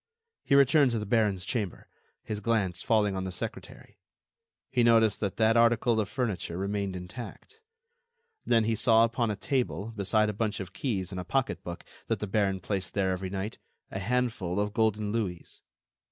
He returned to the baron's chamber, his glance falling on the secretary, he noticed that that article of furniture remained intact. Then, he saw upon a table, beside a bunch of keys and a pocketbook that the baron placed there every night, a handful of golden louis.